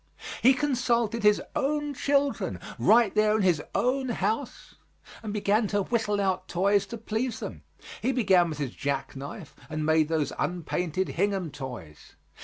He consulted his own children right there in his own house and began to whittle out toys to please them. He began with his jack knife, and made those unpainted Hingham toys.